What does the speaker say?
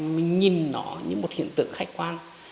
mình nhìn nó như một hiện tượng khách quan